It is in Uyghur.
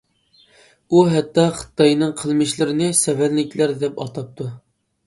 ئۇ ھەتتا خىتاينىڭ قىلمىشلىرىنى «سەۋەنلىكلەر» دەپ ئاتاپتۇ.